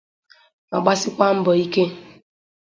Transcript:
ma gbasikwa mbọ ike